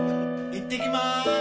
行ってきまーす！